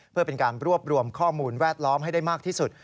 เพื่อเป็นการรวบรวมข้อมูลแวดล้อมให้ได้มากที่สุด